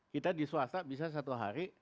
kita disuasana bisa satu hari